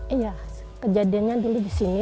iya kejadiannya dulu di sini